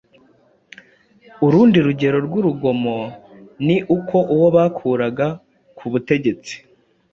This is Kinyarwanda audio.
Urundi rugero rw'urugomo ni uko uwo bakuraga ku butegetsi